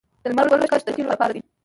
د لمر ګل کښت د تیلو لپاره دی